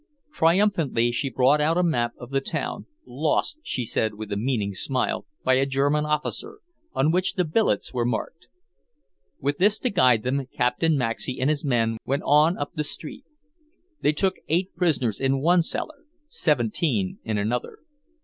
Triumphantly she brought out a map of the town lost, she said with a meaning smile, by a German officer on which the billets were marked. With this to guide them, Captain Maxey and his men went on up the street. They took eight prisoners in one cellar, seventeen in another.